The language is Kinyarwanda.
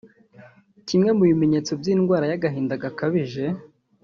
Kimwe mu bimenyetso by’indwara y’agahinda gakabije